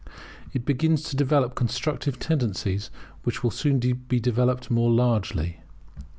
It begins to develop constructive tendencies, which will soon be developed more largely.